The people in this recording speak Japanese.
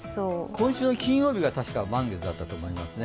今週の金曜日がたしか満月だと思いますね。